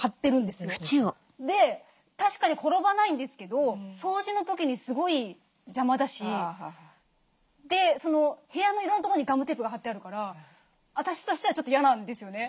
で確かに転ばないんですけど掃除の時にすごい邪魔だし部屋のいろんなとこにガムテープが貼ってあるから私としてはちょっと嫌なんですよね。